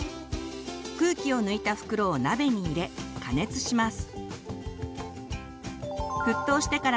空気を抜いた袋を鍋に入れ加熱します。